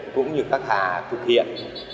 cũng như các hạ thực hiện